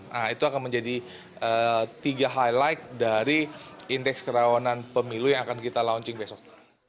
nah itu akan menjadi tiga highlight dari indeks kerawanan pemilu yang akan kita launching besok